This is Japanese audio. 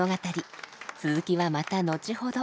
続きはまた後ほど。